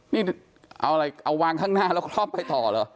นี่เอาอะไรเอาวางข้างหน้าแล้วครอบไปต่อเหรอ